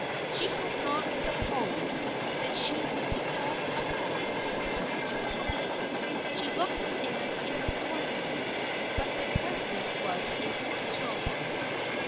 She had not supposed that she would be called upon to speak in public. She looked at Anne imploringly, but the president was inexorable.